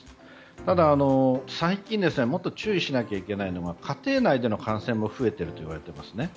ただ、最近もっと注意しなきゃいけないのが家庭内での感染も増えているといわれていますね。